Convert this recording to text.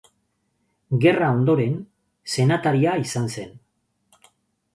Gerra ondoren senataria izan zen.